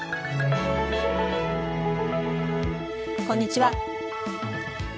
こんにちは。